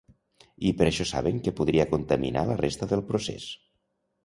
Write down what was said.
I per això saben que podria contaminar la resta del procés.